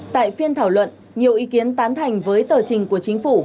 tại phiên thảo luận nhiều ý kiến tán thành với tờ trình của chính phủ